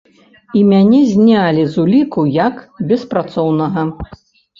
І мяне знялі з уліку як беспрацоўнага.